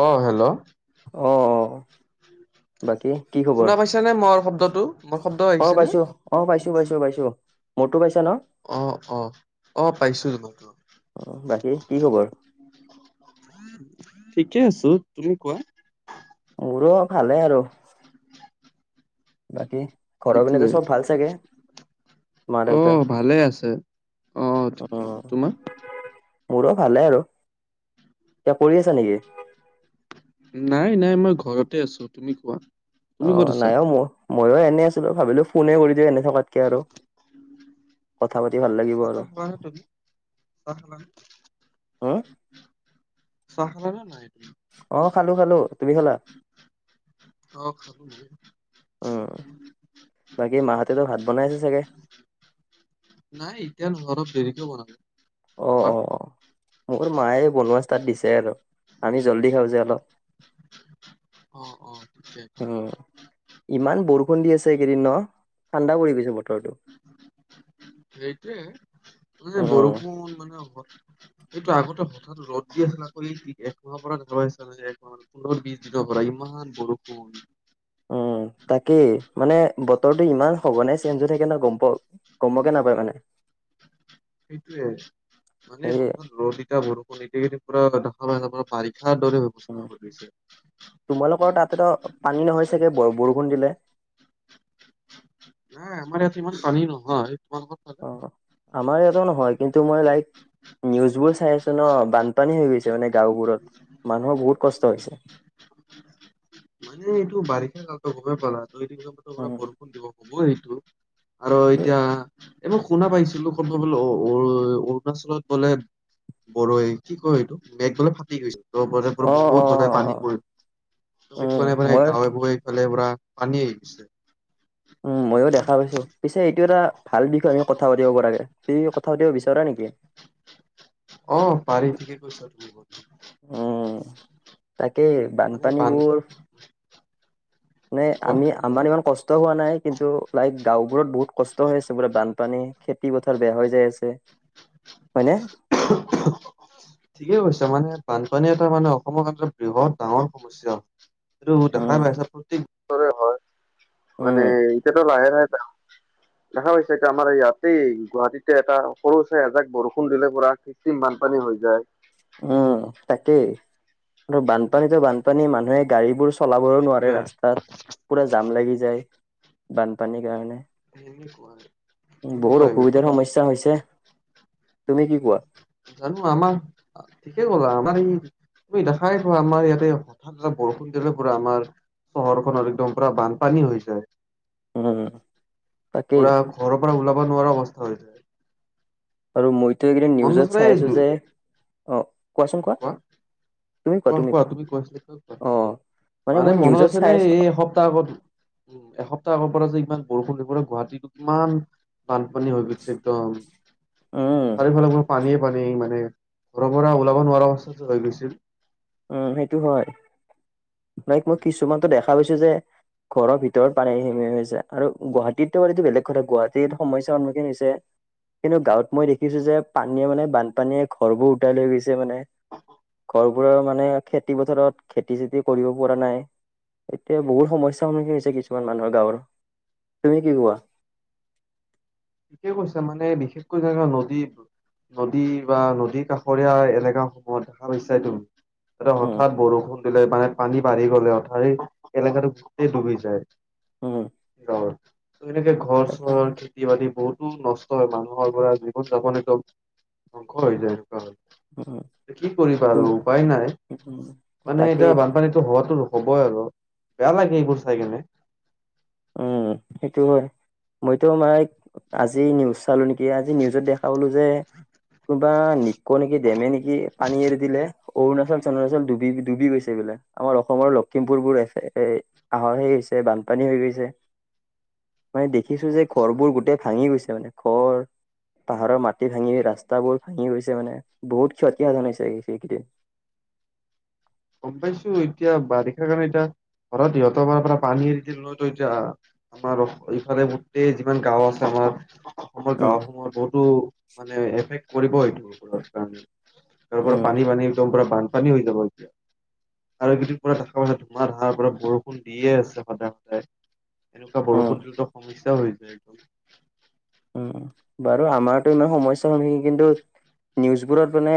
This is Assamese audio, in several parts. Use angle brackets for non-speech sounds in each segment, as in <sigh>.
অ', হেল্ল'। অ', অ', বাকী? কি খবৰ শুনা পাইছা নে, মৰ শব্দটো? মোৰ শব্দ অ', আহিছেনে পাইছো। অ, পাইছো পাইছো পাইছো। মোৰতো পাইছা? ন অ', অ'। অ, পাইছো তোমাৰতো। অ বাকী কি খবৰ ঠিকে আছো, তুমি কোৱা? মোৰো ভালে আৰু, বাকী? ঘৰৰ পিনেতো চব ভাল চাগে? মা দেউতা অহ ভালেই আছে। অহ ঠিকে, উম তোমাৰ? মোৰো ভালে আৰু, কিবা কৰি আছা নেকি? নাই, নাই। মই ঘৰতে আছো, তুমি কোৱা? তুমি অ', ক'ত আছা নাই অ'। ম-মইও এনে আছিলো ভাবিলো, ফোনে কৰি দিও এনে থকাতকে আৰু। কথা অ', পাতি ভাল অ'। লাগিব <unintelligible> আৰু চাহ খালানা? উম চাহ খালানা নাই, তুমি? অহ খালো, খালো। তুমি, খালা? অ'। উম <unintelligible> বনাইছে চাগে? নাই এতিয়া নবনাও, অলপ দেৰিকে বনাম। অ অ তোমাৰ? অ মোৰ মায়ে বনোৱা ষ্টাৰ্ট দিছে আৰু, আমি জলদি খাওঁ যে অলপ। অ', অ'। ঠিকে উম, ইমান বৰষুণ দি আছে এইকেইদিন নহ, ঠাণ্ডা পৰি গৈছে বতৰ। সেইটোৱে, মানে উম বৰষুণ মানে। <inaudible> এইটো আগতে ভঠাৎ ৰ'দ দি আছিলে। আকৌ এই ঠিক একমাহৰ পৰা <unintelligible> পোন্ধৰ বিশ দিনৰ পৰা, ইমান। ইমান, বৰষুন। অ'। উম, তাকেই। মানে, বতৰটো ইমান সঘনাই চেঞ্জ হৈ থাকে নহ গম প গমকে নাপায় মানে। <inaudible> সেইটোয়ে, মানে সেয়ে হঠাৎ ৰ'দ। এতিয়া বৰষুণ তেই পুৰা দেখা পাই নাৰ বাৰিষাৰ দৰে ব উম ব্যৱস্থা হৈ গৈছে। তোমালোকৰ তাতে ত' পানী নহয় চাগে, বৰষুণ দিলে? নাই, আমাৰ ইয়াত সীমান পানী নহয়। তোমালোকৰ ফালে? অ', আমাৰ ইয়াতেও নহয়। কিন্তু, মই লাইক। নিউজবোৰ চাই আছো নহ, বানপানী হৈ গৈছে মানে গাঁওবোৰত। মানুহৰ বহুত কষ্ট হৈছে। মানে এইটো বাৰিষা কালত গমেই পালা। ত' এইটো কৰা উম বৰষুণ দিৱস হ'বই এইটো। আৰু দে এতিয়া, এইবোৰ শুনা পাইছিলো ক'ত বাত বোলে অ-অৰুণাচলত বোলে। <unintelligible> কি কৈ এইটো মেঘ বোলে ফাটি গৈছে? ত' <unintelligible> পৰা অ অ বহুত বজাই অ পানী পৰিল। ত' সেইটো উম কাৰণে মানে, মই গাঁৱে বোৰে। <unintelligible> পৰা পানী আহিছে। উম ময়ো দেখা পাইছো পিছে এইটো এটা ভাল বিষয়ে আমি কথা পাতিব পৰাকে, তুমি কথা পাতিব বিচাৰা নেকি? অ', পাৰি ঠিকে কৈছা তুমি এইবোৰ। তাকে মানে বান বানপানীবোৰ? মানে, কোৱা আমি আমাৰ ইমান কষ্ট হোৱা নাই। কিন্তু, লাইক। গাঁওবোৰত বহুত কষ্ট হৈ আছে। পুৰা বানপানী, খেতি পথাৰ বেয়া হৈ যায় আছে। হয়নে ঠিকেই কৈছা মানে? বানপানী এটা মানে অসমৰ এটা বৃহৎ ডাঙৰ সমস্যা, এইটো দেখা উম পাইছে প্ৰত্যেক বছৰে হয় <unintelligible> মানে উম এইটো এটা লাহে লাহে দেখা পাইছি এতিয়া আমাৰ ইয়াতেই গুৱাহাটীতে এটা সৰু ছাই এজাক বৰষুণ বৰষুণ দিলে পোৰা কৃত্ৰিম বানপানী হৈ যায়। উম তাকেই আৰু বানপানীতো বানপানী মানুহে গাড়ীবোৰ চলাবও নোৱাৰে সেইটোৱে ৰাস্তাত পুৰা জাম লাগি যায় বানপানীৰ কাৰণে সেনেকুৱাই বহুত সেনেকুৱাই অসুবিধাৰ কথা। সমস্যা হৈছে, তুমি কি কোৱা? জানো আমাৰ ঠিকে গ'ল আমাৰ এই তুমি দেখাই পোৱা আমাৰ ইয়াতে হঠাৎ এটা বৰষুণ দিলে পোৰা আমাৰ চহৰ খনত একদম পুৰা বানপানী হৈ যায়। উম তাকেই পোৰা ঘৰৰ পৰা ওলাব নোৱাৰাৰ অৱস্থা হৈ যায়। আৰু মইতো এইকেইদিন মনত নিউজত আছে নে চাই এই আছো দু যে, অ', কোৱাচোন কোৱা তুমি কোৱা তুমি কোৱা অ', মানে মই মনত নিউজত আছে চাই নে আছো এই এসপ্তাহ আগত উ এসপ্তাহ আগৰ পৰা যে ইমান বৰষুণ দিবলৈ গুৱাহাটীটো কিমান বানপানী হৈ গৈছে একদম উম চাৰিওফালে মোৰ পানী পানী মানে ঘৰৰ পৰা ওলাব নোৱাৰা অৱস্থা হৈ গৈছিল। উম সেইটো হয় লাইক মই কিছুমানতো দেখা পাইছো যে ঘৰৰ ভিতৰত পাৰে <unintelligible> পানী হৈ‌ যায় আৰু গুৱাহাটীতোটো বেলেগ কথা গুৱাহাটীত সমস্যাৰ সন্মুখীন হৈছে কিন্তু গাঁৱত মই দেখিছো যে পানীয়ে মানে বানপানীয়ে ঘৰবোৰ উটাই লৈ গৈছে মানে <unintelligible> মানে খেতি পথাৰত খেতি চেতি কৰিব পৰা নাই এতিয়া বহুত সমস্যাৰ সন্মুখীন হৈছে কিছুমান মানুহৰ গাঁৱৰ তুমি কি কোৱা <inaudible> ঠিকে কৈছো মানে বিশেষকৈ যেনে নদীত নদী বা নদী কাষৰীয়া এলেকা সমূহত দেখা পাইছা তুমি এ উম হঠাৎ বৰষুণ মানে পানী বাঢ়ি গ'লে অথ এলেকাটো গোটেই ডুবি যায়। উম ত এনেকে ঘৰ তাকে চহৰ খেতি -বাতি বহুতো নষ্ট হয় মানুহৰ পৰা জীৱন-যাপন এক ধ্বংস হৈ যায় উম <unintelligible> কি কৰিবা আৰু তুম উপায় নাই উম মানে তাকেই এতিয়া বানপানীটো হোৱাতো ৰ হ'বই আৰু বেয়া লাগে এইবোৰ চাই কেনে উম সেইটো হয় মইতো মাইক আজি নিউজ পালো নেকি আজি নিউজত দেখা পালো যে <inaudible> কোনোবা নিকো নেকি ডেমে নেকি পানী এৰি দিলে অৰুণাচল চৰুণাচল ডুবি ডুবি গৈছে বোলে আমাৰ অসমৰ লখিমপুৰ বোৰ এ আহে হৈছে বানপানী হৈ গৈছে মানে অ দেখিছো যে ঘৰ আচ্ছা বোৰ গোটেই ভাঙি গৈছে মানে ঘৰ পাহাৰৰ মাটি ভাঙি ৰাস্তাবোৰ ভাঙি গৈছে মানে বহুত ক্ষতি সাধন হৈছে সেইকেইদিন <inaudible> গম পাইছো এতিয়া বাৰিষাৰ কাৰণে এতিয়া হঠাৎ ইহঁতৰ ফালৰ পৰা পানী এৰি দিল ন‌ তহ এতিয়া আমাৰ ইফালে গোটেই যিমান গাওঁ আছে আমাৰ অ', অসমৰ উম গাঁওসমূহত বহুতো মানে এফেক্ট কৰিব এইটো <unintelligible> কাম তাৰ পৰা উম পানী পানী একদম পুৰা বানপানী হৈ যাব এতিয়া। আৰু কেইদিন পৰা দেখা পাছে ধুঁমা ধাৰাৰ পৰা বৰষুণ দিয়ে আছে সদায় সদায় এনেকুৱা উম বৰষুণ দিলেতো সমস্যাও হৈ যায় এইদম উম বাৰু আমাৰতো ইমান সমস্যা হয় নেকি কিন্তু নিউজবোৰত মানে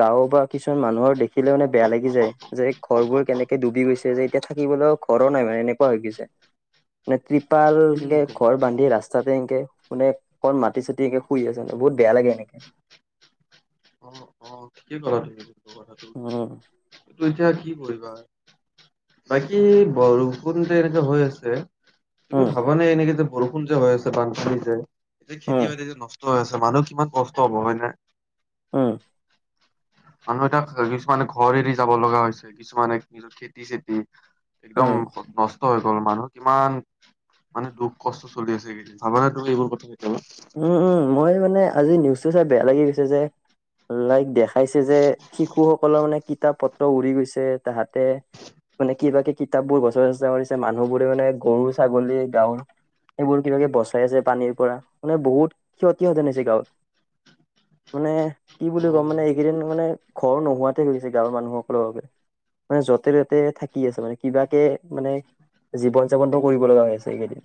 গাঁও বা কিছুমান মানুহৰ দেখি দেখিলে মানে বেয়া লাগি যায় যে ঘৰবোৰ কেনেকে ডুবি গৈছে যে এতিয়া থাকিবলৈও ঘৰো নাই মানে এনেকুৱা হৈ গৈছে মানে ত্ৰিপাল উম কে গম- ঘৰ বান্ধি ৰাস্তা তাতে এনেকে মানে অকণ মাটি চতি এনেকে শুই আছে মানে বহুত বেয়া লাগে এনেকে। অ' অ' কি কথা থাকে কথাটো উম এতিয়া কি কৰিবা, বাকী বৰষুণতে এনেকা হৈ আছে। তুমি উম ভাবা নে এনেকে যে বৰষুণ যে হৈ আছে বানপী যে যে খেতি উম বাতি যে নষ্ট হয় আছে মানুহ কিমান কষ্ট হব হয় ন? উম মানুহ এটা কিছুমানে ঘৰ এৰি যাব লগা হৈছে কিছুমানে নিজৰ খেতি চেতি একদম উম নষ্ট হৈ গ'ল মানুহ কিমান মানে দুখ কষ্ট চলি আছে এইকেইদিন চাবানে তোৰ এইবোৰ কথা কেতিয়াবা উম উম মই মানে আজি নিউজটো চাই বেয়া লাগি গৈছে যে। লাইক দেখাইছে যে শিশুসকলৰ মানে কিতাপ পত্ৰ উৰি গৈছে তাহাঁতে মানে কিবা কিব কিতাপবোৰ গচ চেচা কৰিছে মানুহবোৰে মানে গৰু ছাগলী গাঁৱৰ এইবোৰ কিবাকে বচাই আছে পানীৰ পৰা মানে বহুত ক্ষতি হতেনছেি গাঁৱত, মানে কি বুলি অ কওঁ মানে এইকেইদিন মানে ঘৰ নোহোৱাতে হৈ গৈছে গাঁৱৰ মানুহসকলৰ বাবে। মানে য'তে ত'তে থাকি আছে মানে কিবাকে মানে জীৱন যাপনতটো কৰিব লগা হৈ আছে এইকেইদিন,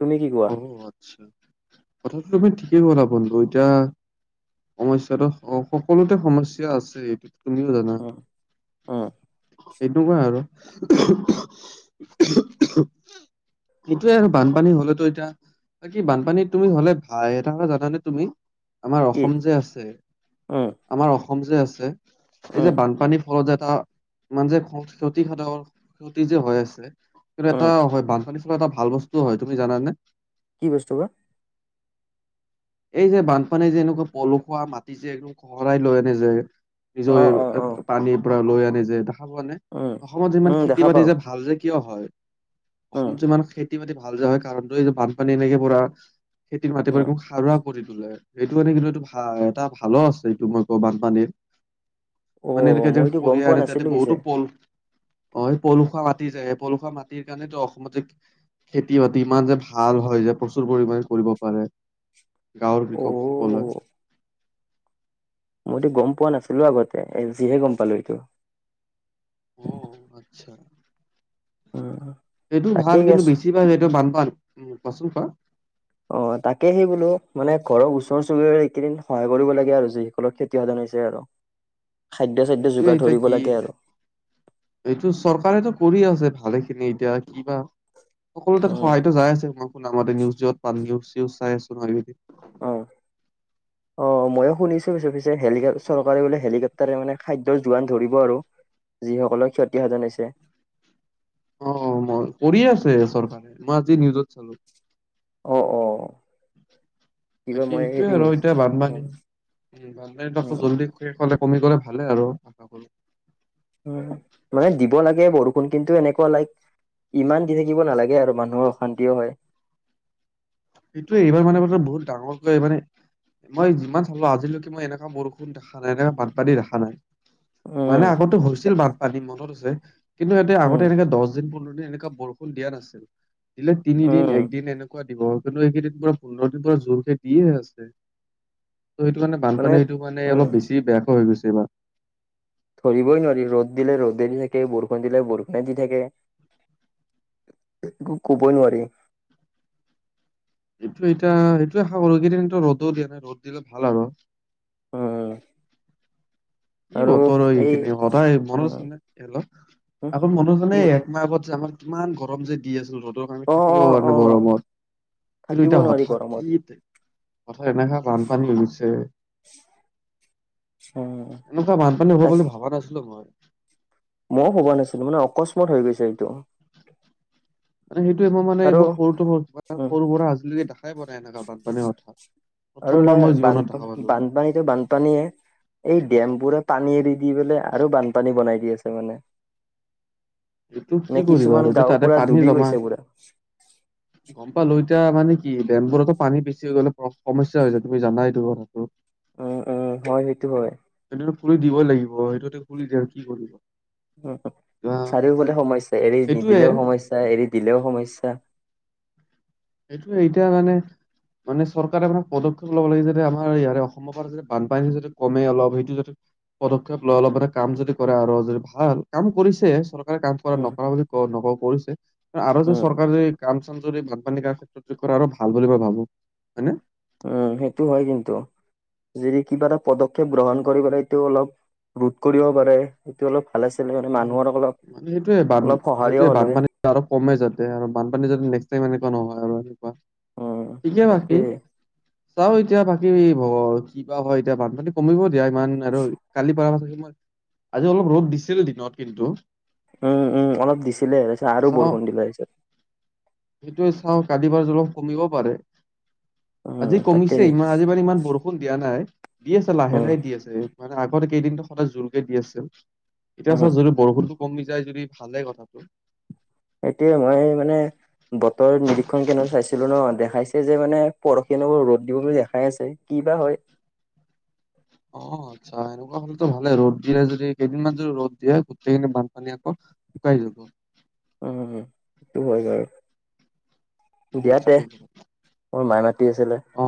তুমি কি কোৱা? আ কথাটো তুমি ঠিকেই হলা বন্ধু এতিয়া সমস্য়াাতটো সকলোতে সমস্যয়া আছে এইটোত তুমিও জানা, উম উম এনেুৱা আৰু এইটোয়ে আৰু বানপানী হলেতো এতিয়া বাকী বানপানীত তুমি হলে ভাই এটাটা জানানে তুমি আমাৰ কি অসম যে আছে, উম আমাৰ অসম যে আছে এই যে উম বানপানী ঘৰৰত এটা মানে যে ক্ষতিাধৰ ক্ষতি যে হৈ আছে। কিন্তু এটা উম হয় বানপানী চলৰ এটা ভাল বস্তুও হয় তুমি জানানে? কি বস্তু বা? এই যে বানপানী যে এনেকুৱা পলুসুৱা মাটি যে এক শহৰাই লৈ আনে যে। নিজৰ অ অ অ পানীৰ পৰা লৈ আনি যে দেখা পোৱা নাই উম অসমত যিমান উম খেতি দেখা বাতি পাও যে ভাল যে কিয় হয় উম অসমতো ইমান খেতি বাতি ভাল যোয় হয় কাৰণটো এই যে বানপানী এনেকে পোৰা। খেতিৰ মাতে প এ উম অকদম সাৰুৱা তোলে সেইটো কাৰানে কিন্তু এইটো ভ এটা ভালো আছে এইটো মই কওঁ বানপানীৰ। অ মানে এনেকে যে মইতো গম পোৱা কৰি তাতে নাছিলো পিছে বহুতো পল <inaudible> অ পলুসুৱা মাটি যায় স পলুসুৱা মাটিৰ কাৰণটো অসমতে খেতি বাতি ইমান যে ভাল হয় যে প্ৰচুৰ পৰিমামানে কৰিব পাৰে। গাঁৱৰ অ কৃষকসকলে। মইতো গম পোৱা নাছিলো আগতে এ আজিহে গম পালো এইটো। উ আচ্ছা। উম সেইটোও ভাল তাকেই কিন্তু আছ বেছি পায় সেইটো বান পা উ কোৱাচোন কোৱা। অ তাকে সেই বোলো মানে ঘৰৰ ওচৰ চুবুৰীয়াৰ এইকেইদিন সহায় কৰিব লাগে আৰু যিসকলৰ খেতি সাধন আৰু। খাদ্য চাদ্য সেইটো যোগাৰ এয়া, ধৰিব কি লাগে আৰু এইটো চৰকাৰেেতটো কৰি আছে। ভালে খিনি এতিয়া কিবা সকলো তাত উম সহায়তো যাই আছে আমাক ুামতে নিউজত নিউজ চাই আছো নহয় এইদি অ' অ'। অ' ময়ে শুনিছো পিছ পিছেিক চৰকাৰে বোলে হেলিকপটাৰে মানে খাদ্য জোৰান ধৰিব আৰু। যিসকলক ক্ষতিসাধাধনাই হৈছে। অ' মই কৰি আছে চৰকাৰে মই আজি নিউজত চালো। অ' অ'। কিবা মই এইটোয়ে হেৰি আৰু নিউজ এতিয়া উম বানপানী উ বানপানীত আকৌ উম জলদি খ সিফালে কমি গ'লে ভালে আৰু। <unintelligible> উম মানে দিব লাগে বৰষুণ কিন্তু এনেকুৱা লাইক। ইমান দি থাকিব নালাগে আৰু মানুহৰ অশান্তিও হয়। সেইটোয়ে এইবাৰ মানে ব বহুত ডাঙৰকৈ মানে। মই যিমান চালো আজিলৈকে মই এনেকুৱা বৰষুণ দেখা নাই এনেকুৱা বানপানী দেখা নাই। উম মানে আগতো হৈছিল বানপানী মনত আছে কিন্তু এতিয়া উম আগতে এনেকে দহ দিন পোন্ধৰ। এনেকুৱা বৰষুণ দিয়া নাছিল দিলে তিনিদিন উম একদিন এনেকুৱা দিব। কিন্তু এইকেইদিন পৰা পোন্ধৰ দিনৰ পৰা জোৰকে দিয়ে আছে। ত' সেইটো কাৰনে মানে বানপানীটো মানে উম অলপ বেছি বেয়াকৈ হৈ গৈছে এইবাৰ। ধৰিবই নোৱাৰি ৰ'দ দিলে ৰ'দে দি থাকে বৰষুণ দিলে বৰষুণে দি থাকে। একো ক'বই নোৱাৰি। এইটো এতিয়া <unintelligible> কৰো কেইদিনো ৰ'দো দিয়া নাই ৰ'দ দিলে ভাল আৰু। অ। কি বতৰ এইখিনি সদায় মনত উম আছে নে এই হলে। উম, আকৌ মানুহ কি জনে একমাহ আগত যে আমাক কিমান গৰম যে দি আছিল ৰ'দ। আমি অ থাকিব অ পৰা অ নাই গৰমত। কিন্তু থাকিব এতিয়া নোৱাৰি হঠাৎ গৰমত কি হঠাৎ এনেকা বানপানী হৈছে। অ। এনেকুৱা বানপানী হব বুলি ভাবা নাছিলো মই। মইও ভবা নাছিলো মানে অকস্মাত হৈ গৈছে এইটো। সেইটো মই মানে আৰু মোৰ সৰুটো উম সৰুৰ পৰা আজিলৈকে দেখাই পোৱা নাই এনেকা বানপানি। আৰু বানপান বানপানীতো বানপানীয়ে এই ডেমবোৰে পানী এৰি। দি পেলাই আৰু বানপানী বনাই দি আছে মানে। এইটো নে কি কৰিবা কিছুমান আৰু যে গাঁও তাতে পুৰা পানী ডুবি জমা গৈছে পুৰা গম পালোঁ। এতিয়া মানে কি ডেমবোৰতো পানী বেছি হৈ গ'লে সমস্যা হৈ যায় তুমি জানা এইটো কথাটো। অ অ হয় সেইটো হয়। সেইটো খুলি দিবই লাগিব সেইটো খুলি দিয় আৰু কি কৰিব। উম অ' চাৰিওফালে সমস্যা এৰি সেইটোয়ে নিদিলেও সমস্যা এৰি দিলেও সমস্যা। সেইটোয়ে এতিয়া মানে। মানে চৰকাৰে মানে পদক্ষেপ ল'ব লাগে যাতে আমাৰ ইয়াৰে অসমৰ পৰা যাতে বানপানী যাতে কমে অলপ সেইটো য। পদক্ষেপ লয় অলপ মানে কাম যদি কৰে আৰু যদি ভাল কাম কৰিছে চৰকাৰ। <unintelligible> কাম কৰা উম নকৰা বুলি নকওঁ কৰিছে আৰু যে উম চৰকাৰে দি কাম চাম যদি বানপানী। <unintelligible> কৰে আৰু ভাল বুলি মই ভাবো হয় নে। উ সেইটো হয় কিন্তু। যদি কিবা এটা পদক্ষেপ গ্ৰহণ কৰিব পাৰে এইটো অলপ ৰোধ কৰিব পাৰে এইটো অলপ। ভাল আছিলে মানে উম মানুহৰ অলপ মানে সেইটোয়ে বান অলপ সহায়ো সেইটোয়ে হ'ল হয় বানপানী আৰু কমে যাতে আৰু বানপানী যাতে নেক্স টাইম এনেকা। নহয় আৰু এনেকুৱা উম ঠিকে বাকী। তাকেই চাওঁ এতিয়া বাকী কিবা হয় এতিয়া বানপানী কমিব দিয়া ইমান আৰু কালি পৰা। আজি অলপ ৰ'দ দিছিল দিনত কিন্তু। উম উম অলপ দিছিলে আৰু চাও বৰষুণ দিলে ষ্টাৰ্ট। কালিৰপৰা যদি অলপ কমিব পাৰে উম, আজি তাকেই কমিছে ইমান আজি মানে ইমান বৰষুণ দিয়া নাই। দি আছে লাহে উম, লাহে দি আছে মানে আগতে কেইদিন সদায় জোৰকে দি আছে। এতিয়া উম, চা যদি বৰষুণটো কমি যায় যদি ভালে কথাটো। সেইটোৱে মই মানে বতৰ নিৰীক্ষণ কেন্দ্ৰত চাইছিলোঁ নহ দেখাইছে যে মানে। পৰহি নহ ৰ'দ দিব বুলি দেখাই আছে কিবা হয়। অ আচ্ছা এনেকুৱা হলেতো ভালে ৰ'দ দিয়ে যদি কেইদিনমান যদি ৰ'দ দিয়ে গোটেইখিনি বানপানী আকৌ। কাইলৈ। উ সেইটো হয় যায়। উম, দিয়া দে ঠিকে ক'লা। মোৰ মাই মাতি আছিলে। অ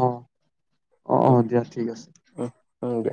অ অ উম, দিয়া ঠিক আছে। উম, উম, দিয়া।